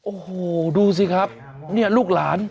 โอ้โหดูสิครับเนี่ยลูกหลาน